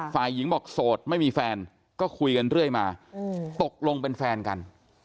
ฝ่ายหญิงบอกโสดไม่มีแฟนก็คุยกันเรื่อยมาตกลงเป็นแฟนกัน